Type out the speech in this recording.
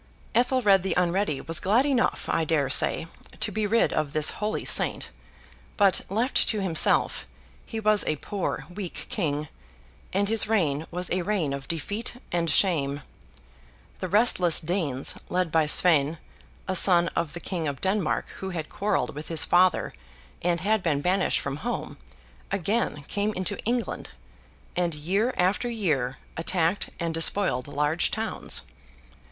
Ethelred the Unready was glad enough, I dare say, to be rid of this holy saint; but, left to himself, he was a poor weak king, and his reign was a reign of defeat and shame. The restless Danes, led by Sweyn, a son of the King of Denmark who had quarrelled with his father and had been banished from home, again came into England, and, year after year, attacked and despoiled large towns.